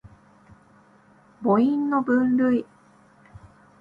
母音の分類